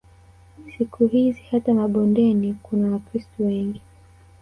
Siku hizi hata mabondeni kuna Wakristo wengi